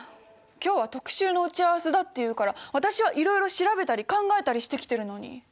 今日は特集の打ち合わせだっていうから私はいろいろ調べたり考えたりしてきてるのに。